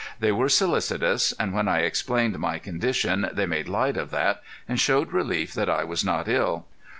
They were solicitous, and when I explained my condition they made light of that, and showed relief that I was not ill.